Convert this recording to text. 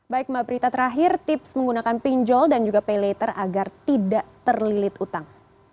baik mbak prita terakhir tips menggunakan pinjol dan juga pay later agar tidak terlilit utang